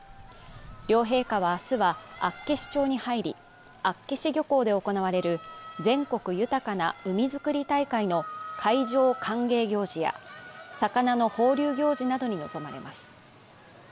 両陛下は明日は厚岸町に入り、厚岸漁港で行われる全国豊かな海づくり大会の海上歓迎行事や魚の放流行事などに臨まれます。